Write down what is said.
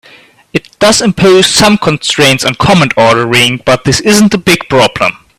It does impose some constraints on command ordering, but this isn't a big problem.